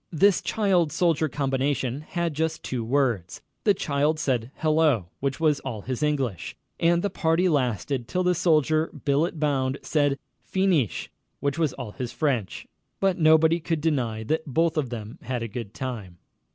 This child soldier combination had just two words. The child said "Hello," which was all his English, and the party lasted till the soldier, billet bound, said "Fee neesh," which was all his French. But nobody could deny that both of them had a good time.